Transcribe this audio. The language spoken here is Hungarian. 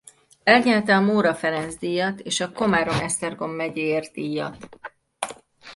Elnyerte a Móra Ferenc-díjat és a Komárom-Esztergom megyéért-díjat.